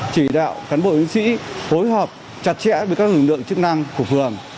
chỉ đạo cán bộ chiến sĩ phối hợp chặt chẽ với các lực lượng chức năng của phường